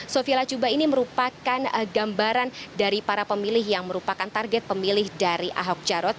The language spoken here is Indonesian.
sofia lachuba ini merupakan gambaran dari para pemilih yang merupakan target pemilih dari ahok jarot